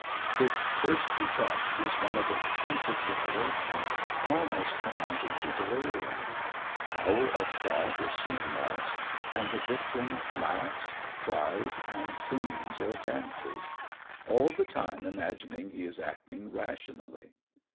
Its first effect is one of intense exhilaration, almost amounting to delirium; power of thought is soon lost, and the victim laughs, cries and sings or dances, all the time imagining he is acting rationally.